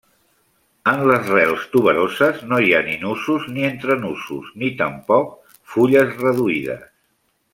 En les rels tuberoses no hi ha ni nusos ni entrenusos ni tampoc fulles reduïdes.